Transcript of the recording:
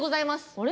あれ？